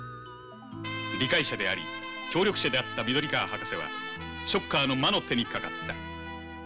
理解者であり協力者であった緑川博士はショッカーの魔の手にかかった。